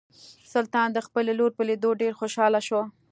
سلطان د خپلې لور په لیدو ډیر خوشحاله شو.